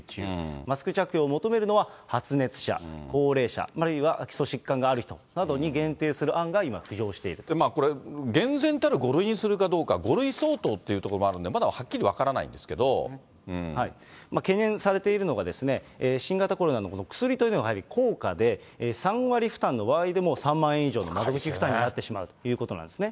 マスク着用を求めるのは発熱者、高齢者、あるいは基礎疾患がある人などに限定する案が今、浮上しこれ、厳然たる５類にするかどうか、５類相当っていうところもあるんで、まだはっきり分から懸念されているのが、新型コロナのこの薬というのがやはり高価で、３割負担の場合でも３万円以上の窓口負担になってしまうということなんですね。